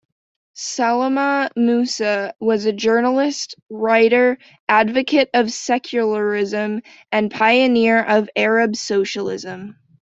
Salama Musa was a journalist, writer, advocate of secularism, and pioneer of Arab socialism.